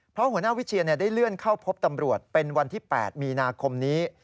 เพราะหัวหน้าวิเชียนได้เลื่อนเข้าพบตำรวจเป็นวันที่๘มีนาคมนี้